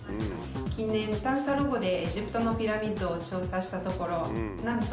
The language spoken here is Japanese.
近年探査ロボでエジプトのピラミッドを調査したところなんと